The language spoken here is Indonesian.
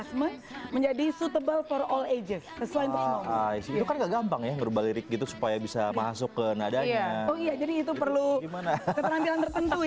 karena itu juga yang bikin kita penasaran kan dengan